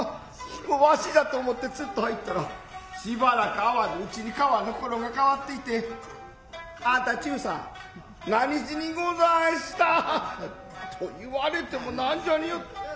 私じゃと思うてずっと入ったら暫く逢わぬうちに川の心がかわっていてあんた忠さん何しにござんしたといわれても何じゃによって。